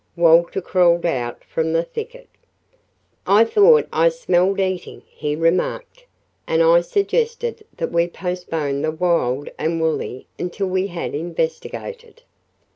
Walter crawled out from the thicket. "I thought I smelled eating," he remarked, "and I suggested that we postpone the wild and woolly until we had investigated."